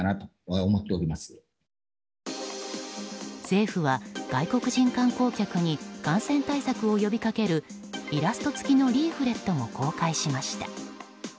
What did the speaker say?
政府は外国人観光客に感染対策を呼びかけるイラスト付きのリーフレットも公開しました。